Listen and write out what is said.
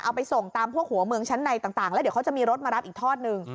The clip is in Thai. เอาไปส่งตามพวกหัวเมืองชั้นในต่างแล้วเดี๋ยวเขาจะมีรถมารับอีกทอดหนึ่ง